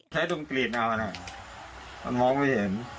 ดมกรีดเอานะมันมองไม่เห็น